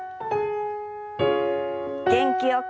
元気よく。